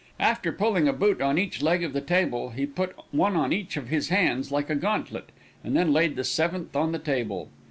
After pulling a boot on each leg of the table, he put one on each of his hands, like a gauntlet, and then laid the seventh on the table.